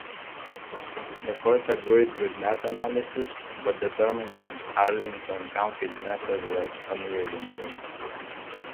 The court agreed with that analysis, but determined that Arlington County's method was unreasonable.